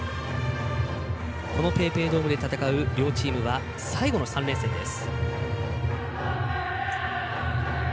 このＰａｙＰａｙドームで戦う両チームは最後の３連戦です。